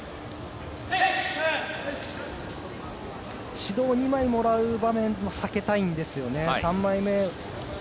指導を２枚もらう場面を避けたいんですね。